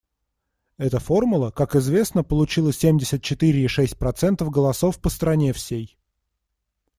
Эта формула, как известно, получила семьдесят четыре и шесть процентов голосов по стране всей.